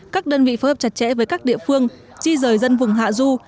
các đơn vị phối hợp chặt chẽ với các địa phương di rời dân vùng hạ du